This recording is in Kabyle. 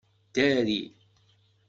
Ddari!